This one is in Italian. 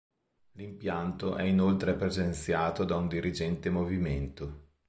L'impianto è inoltre presenziato da un Dirigente Movimento.